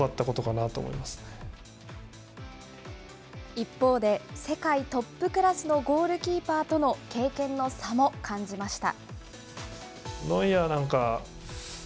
一方で、世界トップクラスのゴールキーパーとの経験の差も感じました。